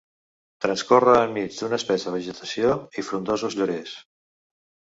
Transcorre enmig d'una espessa vegetació i frondosos llorers.